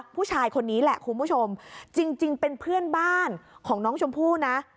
ผู้ชายคนนี้แหละคุณผู้ชมจริงเป็นเพื่อนบ้านของน้องชมพู่นะ